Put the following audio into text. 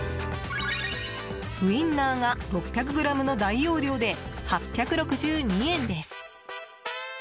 ウインナーが６００ｇの大容量で８６２円です。